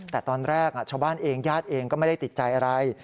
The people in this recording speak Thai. แต่ตอนแรกชาวบ้านเองญาติเองก็ไม่ได้ติดใจอะไร